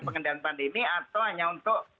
pengendalian pandemi atau hanya untuk